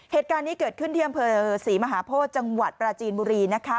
เหตุการณ์นี้เกิดขึ้นที่อำเภอศรีมหาโพธิจังหวัดปราจีนบุรีนะคะ